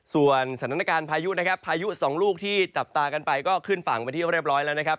ส่วนสถานการณ์พายุนะครับพายุสองลูกที่จับตากันไปก็ขึ้นฝั่งไปที่เรียบร้อยแล้วนะครับ